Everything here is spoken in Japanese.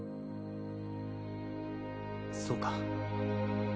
そうか。